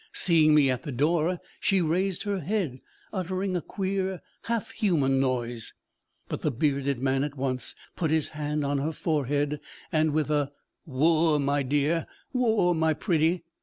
Seeing me at the door, she raised her head, uttering a queer half human noise, but the bearded man at once put his hand on her forehead, and with a 'Woa, my dear woa, my pretty!'